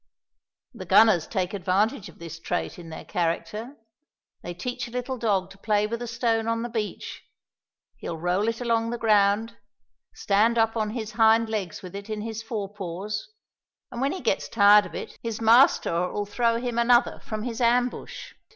The gunners take advantage of this trait in their character; they teach a little dog to play with a stone on the beach: he'll roll it along the ground, stand up on his hind legs with it in his fore paws, and when he gets tired of it, his master'll throw him another from his ambush.